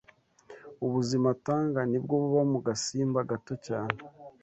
ubuzima atanga ni bwo buba mu gasimba gato cyane